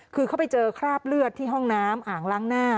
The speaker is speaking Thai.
คือเขาไปเจอคราบเลือดที่ห้องน้ำอ่างล้างหน้า